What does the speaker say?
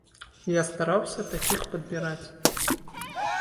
Я стараўся такіх падбіраць.